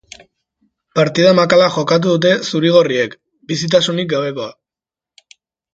Partida makala jokatu dute zuri-gorriek, bizitasunik gabekoa.